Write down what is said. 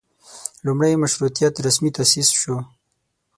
لومړۍ مشروطیت رسمي تاسیس شو.